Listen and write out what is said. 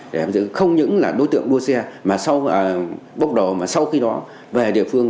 để không những là đối tượng đua xe mà sau khi đó về địa phương